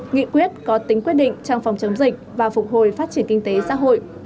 nghị quyết có tính quyết định trong phòng chống dịch và phục hồi phát triển kinh tế xã hội